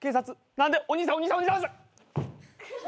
何でお兄さんお兄さん！